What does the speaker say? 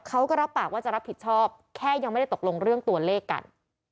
เขาก็รับปากว่าจะรับผิดชอบแค่ยังไม่ได้ตกลงเรื่องตัวเลขกัน